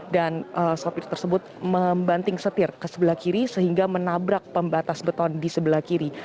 dan sopir tersebut membanting setir ke sebelah kiri sehingga menabrak pembatas beton di sebelah kiri